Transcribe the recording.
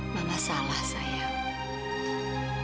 mama salah sayang